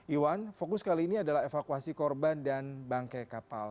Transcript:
iwan fokus kali ini adalah evakuasi korban dan bangke kapal